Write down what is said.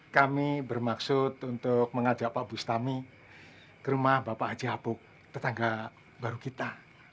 kami bermaksud untuk mengajak pak bustami ke rumah bapak haji abu tetangga baru kita